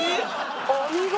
お見事！